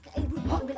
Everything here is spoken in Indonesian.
ketuk ketuk ketuk ketuk